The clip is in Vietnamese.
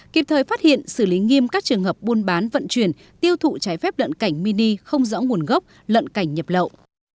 kịp thời phát hiện xử lý nghiêm các trường hợp buôn bán vận chuyển tiêu thụ trái phép lợn cảnh mini không rõ nguồn gốc lợn cảnh nhập lậu